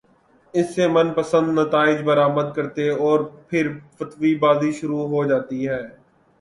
اس سے من پسندنتائج برآمد کرتے اورپھر فتوی بازی شروع ہو جاتی ہے۔